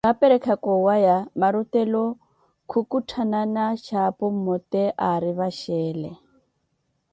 Kiwaperekhaka owaya, marutelo kikutthanana xhapu mmote ari vaxeele.